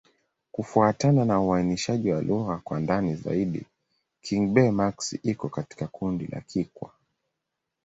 Kufuatana na uainishaji wa lugha kwa ndani zaidi, Kigbe-Maxi iko katika kundi la Kikwa.